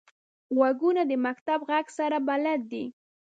غوږونه د مکتب غږ سره بلد دي